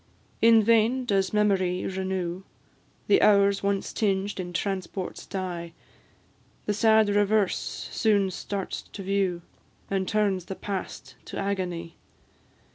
In vain does memory renew The hours once tinged in transport's dye; The sad reverse soon starts to view, And turns the past to agony.